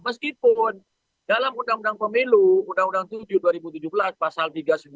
meskipun dalam undang undang pemilu undang undang tujuh dua ribu tujuh belas pasal tiga puluh sembilan